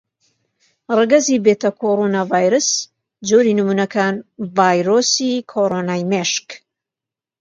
ڕەگەزی بێتاکۆڕوناڤایرەس: جۆری نموونەکان: ڤایرۆسی کۆڕۆنای مشک.